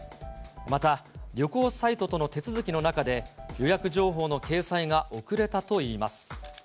また、旅行サイトとの手続きの中で、予約情報の掲載が遅れたといいます。